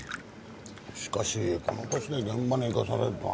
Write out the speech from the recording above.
しかしこの年で現場に行かされるとはなあ。